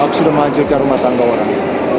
aku sudah ngajar cari rumah tangga orang